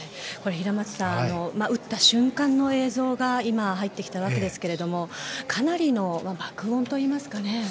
平松さん、撃った瞬間の映像が今、入ってきたわけですがかなりの爆音と言いますかね。